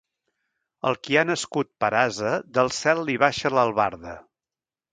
Al qui ha nascut per ase, del cel li baixa l'albarda.